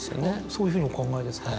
そういうふうにお考えですか。